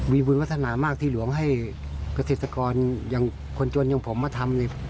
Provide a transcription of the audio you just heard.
มีบุญวัฒนามากที่หลวงให้เกษตรกรอย่างคนจนอย่างผมมาทำเนี่ย